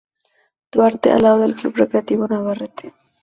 Duarte al lado del Club Recreativo Navarrete.